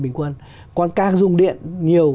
bình quân còn càng dùng điện nhiều